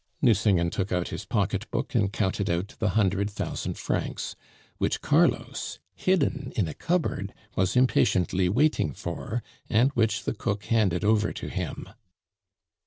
Nucingen took out his pocketbook and counted out the hundred thousand francs, which Carlos, hidden in a cupboard, was impatiently waiting for, and which the cook handed over to him.